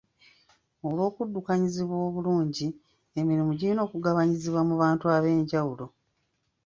Olw'okuddukanyizibwa obulungi, emirimu girina okugabanyizibwa mu bantu ab'enjawulo.